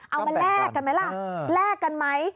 แลกกันไหมล่ะแลกกันไหม